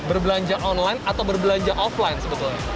berbelanja online atau berbelanja offline sebetulnya